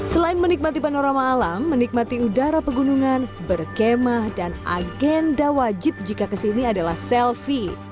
selain menikmati panorama alam menikmati udara pegunungan berkemah dan agenda wajib jika kesini adalah selfie